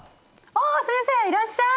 あ先生いらっしゃい！